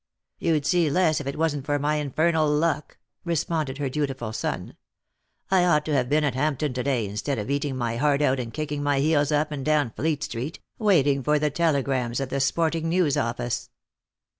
" You'd see less if it wasn't for my infernal luck," responded her dutiful son. " I ought to have been at Hampton to day, instead of eating my heart out and kicking my heels up and down Fleet street, waiting for the telegrams at the Sporting News office."